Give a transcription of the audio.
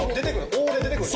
「お」で出てくる！